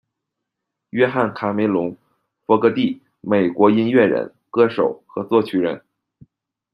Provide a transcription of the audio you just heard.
约翰·卡梅隆·弗格蒂，美国音乐人、歌手和作曲人。